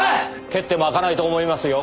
蹴っても開かないと思いますよ。